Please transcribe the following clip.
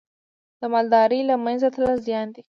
د مالدارۍ له منځه تلل زیان دی.